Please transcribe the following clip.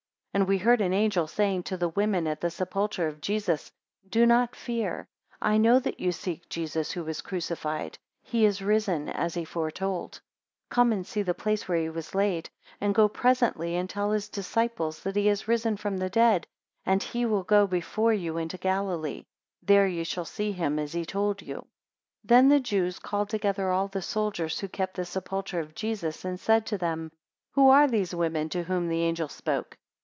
5 And we heard an angel saying to the women at the sepulchre of Jesus, Do not fear; I know that you seek Jesus who was crucified; he is risen as he foretold; 6 Come and see the place where he was laid; and go presently, and tell his disciples that he is risen from the dead; and he will go before you into Galilee; there ye shall see him as he told you. 7 Then the Jews called together all the soldiers who kept the sepulchre of Jesus, and said to them, Who are those women, to whom the angel spoke?